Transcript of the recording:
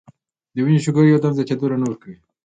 نو د وينې شوګر يو دم زياتېدو له نۀ ورکوي -